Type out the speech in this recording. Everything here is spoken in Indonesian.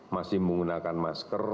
masih menggunakan masker